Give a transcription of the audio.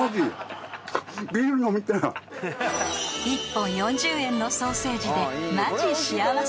［１本４０円のソーセージで］